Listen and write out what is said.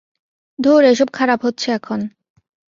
ধুর এসব খারাপ হচ্ছে এখন!